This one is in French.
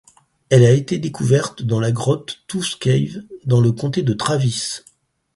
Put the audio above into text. Elle a été découverte dans la grotte Tooth Cave dans le comté de Travis.